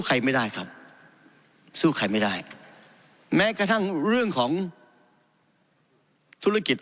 ใครไม่ได้ครับสู้ใครไม่ได้แม้กระทั่งเรื่องของธุรกิจ